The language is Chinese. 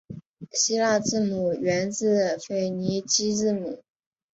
希腊字母源自腓尼基字母。